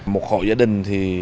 một hộ gia đình thì